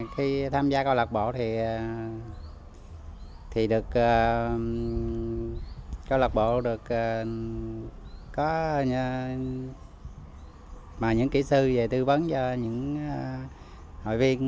khi tham gia câu lạc bộ thì được câu lạc bộ được có những kỹ sư về tư vấn cho những hội viên